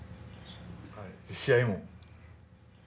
試合も。